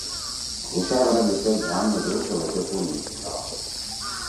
ہُوشا بندی؛ "کھید جھام نیدؤ سأدو تے پوت نہ کِینا"